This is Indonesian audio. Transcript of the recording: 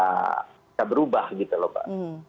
bisa berubah gitu loh pak